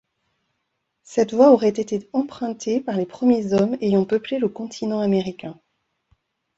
Cette voie aurait été empruntée par les premiers hommes ayant peuplé le continent américain.